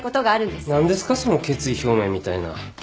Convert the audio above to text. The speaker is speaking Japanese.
何ですかその決意表明みたいな。